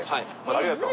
ありがとう。